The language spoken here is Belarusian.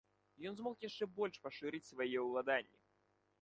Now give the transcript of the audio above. Ён змог яшчэ больш пашырыць свае ўладанні.